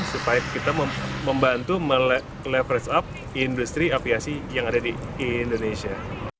supaya kita membantu meleverage up industri aviasi yang ada di indonesia